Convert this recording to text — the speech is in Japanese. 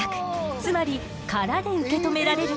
つまり殻で受け止められるの。